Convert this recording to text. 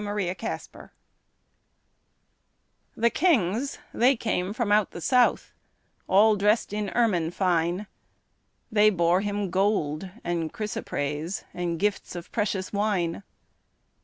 Christmas Carol The kings they came from out the south, All dressed in ermine fine, They bore Him gold and chrysoprase, And gifts of precious wine.